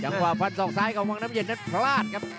จังหวะพันส่องซ้ายของวังน้ำเย็นนั้นพระลาดครับ